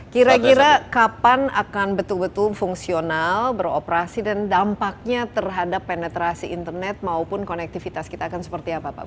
kira kira kapan akan betul betul fungsional beroperasi dan dampaknya terhadap penetrasi internet maupun konektivitas kita akan seperti apa pak